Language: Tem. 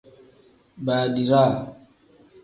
Baadiraa.